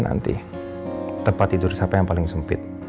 nanti tempat tidur siapa yang paling sempit